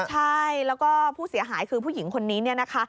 ใช่แล้วก็ผู้เสียหายคือผู้หญิงคนนี้เนี่ยนะคะ